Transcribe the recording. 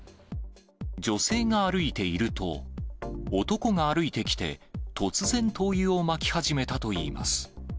女性が歩いていると、男が歩いてきて、突然、灯油をまき始めたといいます。